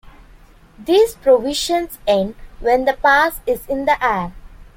These provisions end when the pass is in the air.